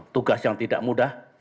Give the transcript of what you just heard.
tugas yang tidak mudah